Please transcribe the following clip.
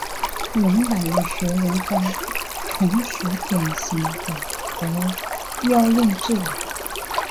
龙胆与雪绒花同属典型的和药用植物。